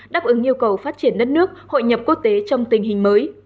đáp ứng yêu cầu phát triển đất nước hội nhập quốc tế trong tình hình mới